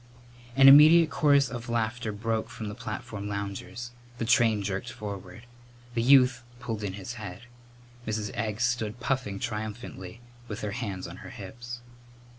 An immediate chorus of laughter broke from the platform loungers. The train jerked forward. The youth pulled in his head. Mrs. Egg stood puffing triumphantly with her hands on her hips.